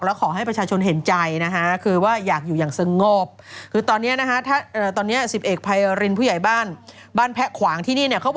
เดี๋ยวขอให้ประชาชนเห็นใจ